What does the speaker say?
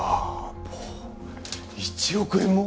１億円も！？